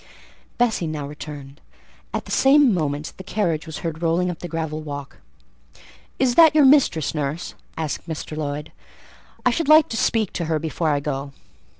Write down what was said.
Bessie now returned; at the same moment the carriage was heard rolling up the gravel walk. "Is that your mistress, nurse?" asked Mr. Lloyd. "I should like to speak to her before I go."